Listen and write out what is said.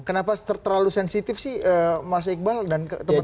kenapa terlalu sensitif sih mas iqbal dan teman teman